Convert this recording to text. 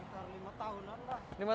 kitar lima tahunan pak